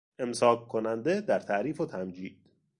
امساککننده در تعریف و تمجید